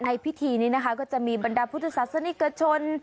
ในพิธีนี่ก็จะมีบรรดาพุทธศักดิ์ศนิกชน